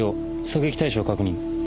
狙撃対象確認。